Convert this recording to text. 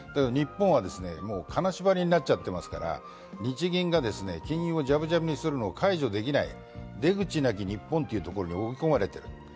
日本は金縛りになっちゃっていますから、日銀が金融をじゃぶじゃぶにするのを解除できない、出口なき日本というところに追い込まれている。